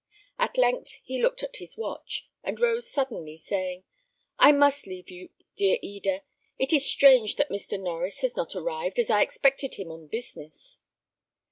At length he looked at his watch, and rose suddenly, saying, "I must leave you, dear Eda. It is strange that Mr. Norries has not arrived, as I expected him on business."